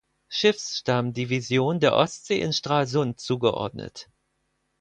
Schiffsstammdivision der Ostsee in Stralsund zugeordnet.